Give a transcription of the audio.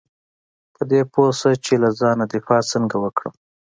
په دې پوه شه چې له ځان دفاع څنګه وکړم .